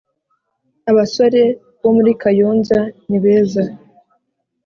Abasore bo muri kayonza nibeza